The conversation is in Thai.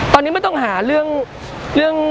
ตอนนี้ไม่ต้องหาเรื่อง